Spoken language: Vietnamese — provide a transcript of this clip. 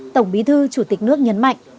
tổng bí thư chủ tịch nước nhấn mạnh